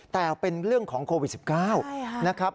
แต่เป็นเรื่องของโควิด๑๙นะครับ